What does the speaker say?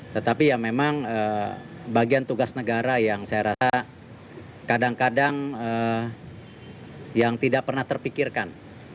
tetapi ya memang bagian tugas negara yang saya rasa kadang kadang yang tidak pernah terpikirkan